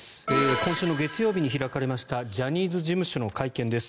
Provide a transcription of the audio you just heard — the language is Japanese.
今週月曜日に開かれましたジャニーズ事務所の会見です。